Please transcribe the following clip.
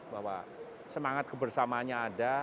bahwa semangat kebersamaannya ada